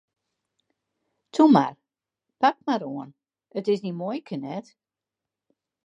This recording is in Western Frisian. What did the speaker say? Toe mar, pak mar oan, it is dyn muoike net!